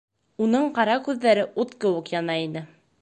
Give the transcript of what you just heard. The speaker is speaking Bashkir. Уның ҡара күҙҙәре ут кеүек яна ине.